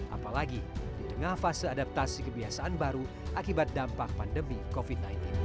apalagi di tengah fase adaptasi kebiasaan baru akibat dampak pandemi covid sembilan belas